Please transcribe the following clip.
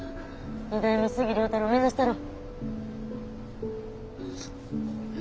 ２代目杉良太郎目指したろ。